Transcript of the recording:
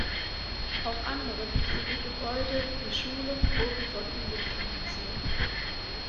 Auch andere wichtige Gebäude wie Schulen wurden von ihm mitfinanziert.